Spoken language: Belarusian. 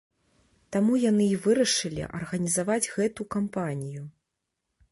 Таму яны і вырашылі арганізаваць гэту кампанію.